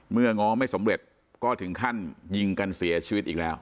ง้อไม่สำเร็จก็ถึงขั้นยิงกันเสียชีวิตอีกแล้ว